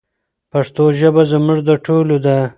پښتو ژبه زموږ د ټولو ده.